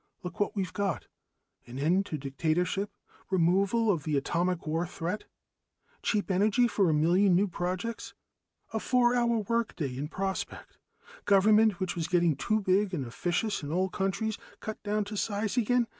"Look what we've got. An end to dictatorship. Removal of the atomic war threat. Cheap energy for a million new projects. A four hour work day in prospect. Government, which was getting too big and officious in all countries, cut down to size again.